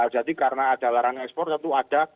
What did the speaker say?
jadi karena ada larangan ekspor tentu ada